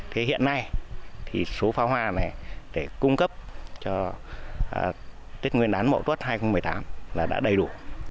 thế hiện nay thì số pháo hoa này để cung cấp cho tết nguyên đán mậu tuốt hai nghìn một mươi tám là đã đầy đủ